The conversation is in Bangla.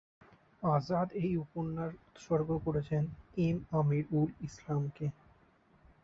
আজাদ এই উপন্যাস উৎসর্গ করেছেন, এম আমীর-উল ইসলামকে।